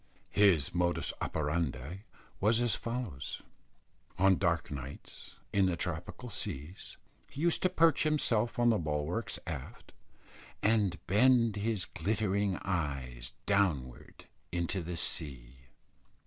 His modus operandi was as follows. On dark nights in the tropical seas, he used to perch himself on the bulwarks aft, and bend his glittering eyes downwards into the sea.